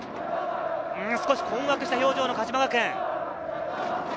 少し困惑した表情の鹿島学園。